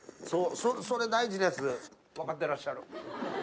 それ大事です分かってらっしゃる。